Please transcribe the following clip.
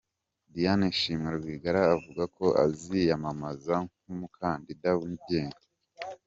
Diane Shima Rwigara avuga ko aziyamamaza nk'umukandida wigenga .